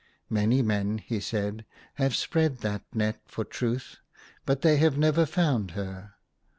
" Many men," he said, " have spread that net for Truth ; but they have never found her.